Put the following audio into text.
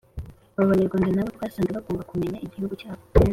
abo banyarwanda na bo twasanze bagomba kumenya igihugu cyabo,